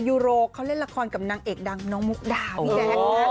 ยูโรเขาเล่นละครกับนางเอกดังน้องมุกดาพี่แจ๊ค